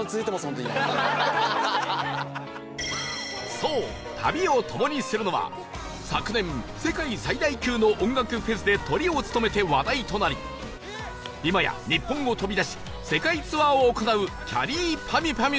そう旅を共にするのは昨年世界最大級の音楽フェスでトリを務めて話題となりいまや日本を飛び出し世界ツアーを行なうきゃりーぱみゅぱみ